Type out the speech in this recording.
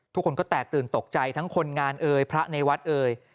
ทุกคนก็แตกตื่นตกใจทั้งคนงานเอ่ยพระในวัดเอ่ย